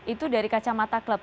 itu dari kacamata klub